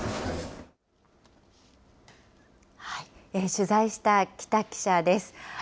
取材した喜多記者です。